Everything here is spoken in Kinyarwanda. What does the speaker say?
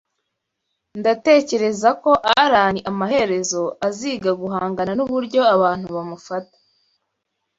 Ndatekereza ko Alain amaherezo aziga guhangana nuburyo abantu bamufata.